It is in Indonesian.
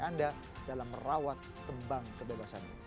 anda dalam merawat kembang kebebasannya